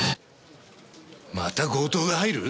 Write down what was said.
また強盗が入る！？